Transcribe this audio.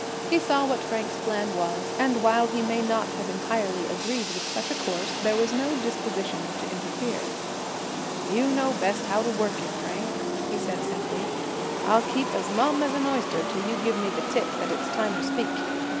He saw what Frank's plan was, and while he may not have entirely agreed with such a course, there was no disposition to interfere. "You know best how to work it, Frank," he said simply. "I'll keep as mum as an oyster till you give me the tip that it's time to speak.